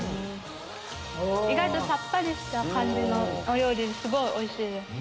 意外とさっぱりした感じのお料理ですごいおいしいです。